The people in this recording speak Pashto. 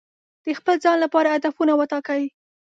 د خپل ځان لپاره هدفونه وټاکئ.